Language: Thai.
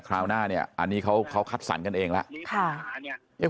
คราวหน้าเนี่ยอันนี้เขาคัดสรรกันเองแล้ว